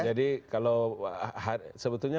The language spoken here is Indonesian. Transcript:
jadi kalau sebetulnya